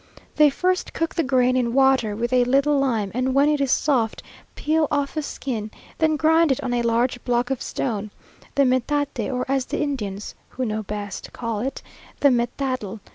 They first cook the grain in water with a little lime, and when it is soft peel off the skin; then grind it on a large block of stone, the metate, or, as the Indians (who know best) call it, the metatl.